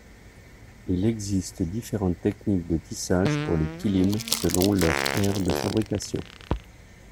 Il existe differentes techniques de tissage pour les kilims selon leur aire de fabrication.